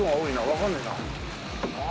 わかんねえな。